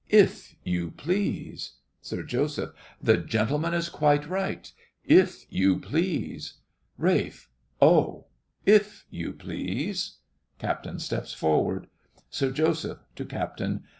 If you please. SIR JOSEPH. The gentleman is quite right. If you please. RALPH. Oh! If you please. (CAPTAIN steps forward.) SIR JOSEPH (to CAPTAIN).